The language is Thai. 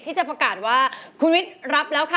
ที่จะประกาศว่าคุณวิทย์รับแล้วค่ะ